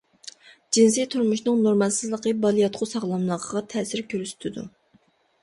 جىنسى تۇرمۇشنىڭ نورمالسىزلىقى بالىياتقۇ ساغلاملىقىغا تەسىر كۆرسىتىدۇ.